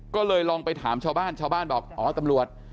ก็เลยลองไปถามชาวบ้านชาวบ้านบอกอ๋อตำรวจ